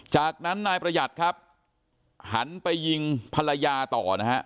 จากนั้นนายประหยัดครับหันไปยิงภรรยาต่อนะฮะ